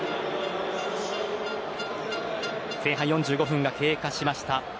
前半４５分が経過しました。